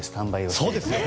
そうですよ。